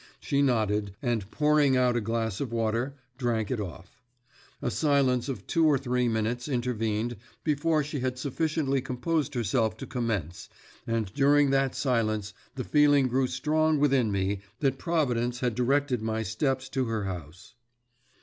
She nodded, and pouring out a glass of water, drank it off. A silence of two or three minutes intervened before she had sufficiently composed herself to commence, and during that silence the feeling grew strong within me that Providence had directed my steps to her house.